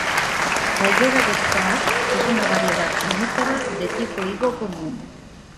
La higuera 'Des Far' es una variedad "unífera" de tipo higo común.